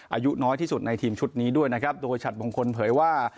อายุน้อยที่สุดในทีมชุดนี้ด้วยนะครับโดยฉัดมงคลเผยว่า